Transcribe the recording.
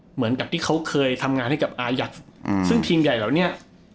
เหมือนกับที่เขาเคยทำงานให้กับอายักษ์ซึ่งทีมใหญ่เหล่านี้